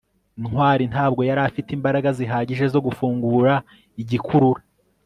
ntwali ntabwo yari afite imbaraga zihagije zo gufungura igikurura